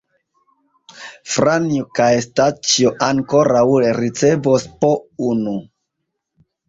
Franjo kaj Staĉjo ankaŭ ricevos po unu.